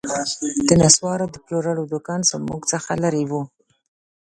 د نسوارو د پلورلو دوکان زموږ څخه لیري و